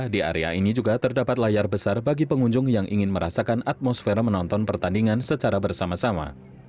di area ini juga terdapat layar besar bagi pengunjung yang ingin merasakan atmosfer menonton pertandingan secara bersama sama